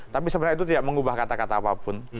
tapi sebenarnya itu tidak mengubah kata kata apapun